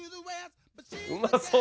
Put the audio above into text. うまそう！